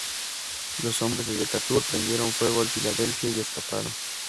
Los hombres de Decatur prendieron fuego al "Philadelphia" y escaparon.